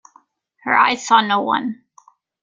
Her eyes saw no one.